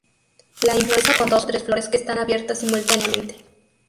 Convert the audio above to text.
La inflorescencia con dos o tres flores que están abiertas simultáneamente.